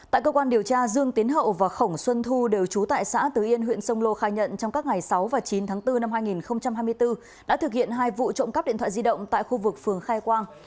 tại cơ quan điều tra dương tiến hậu và khổng xuân thu đều trú tại xã tứ yên huyện sông lô khai nhận trong các ngày sáu và chín tháng bốn năm hai nghìn hai mươi bốn đã thực hiện hai vụ trộm cắp điện thoại di động tại khu vực phường khai quang